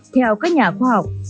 theo các nhà khoa học